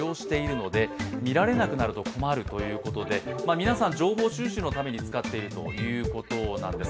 皆さん、情報収集のために使っているということなんです。